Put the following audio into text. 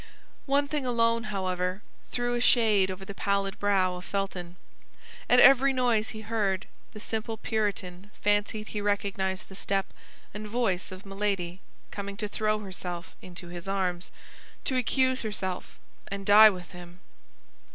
One thing alone, however, threw a shade over the pallid brow of Felton. At every noise he heard, the simple Puritan fancied he recognized the step and voice of Milady coming to throw herself into his arms, to accuse herself, and die with him.